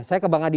saya ke bang adi